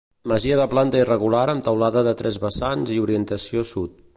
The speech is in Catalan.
Masia de planta irregular amb teulada de tres vessants i orientació sud.